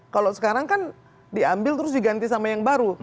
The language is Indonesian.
kalau sekarang kan diambil terus diganti sama yang baru